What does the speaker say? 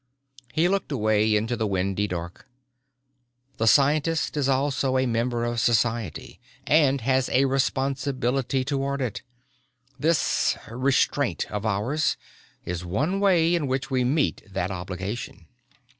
He looked away, into the windy dark. "The scientist is also a member of society and has a responsibility toward it. This restraint of ours is one way in which we meet that obligation."